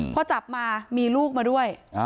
พอจับมามีลูกมาด้วย